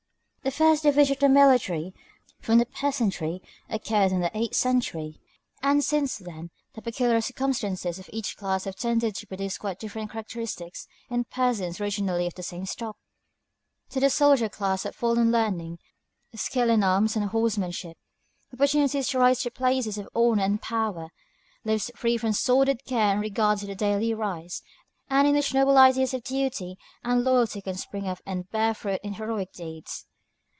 The first division of the military from the peasantry occurred in the eighth century, and since then the peculiar circumstances of each class have tended to produce quite different characteristics in persons originally of the same stock. To the soldier class have fallen learning, skill in arms and horsemanship, opportunities to rise to places of honor and power, lives free from sordid care in regard to the daily rice, and in which noble ideas of duty and loyalty can spring up and bear fruit in heroic deeds.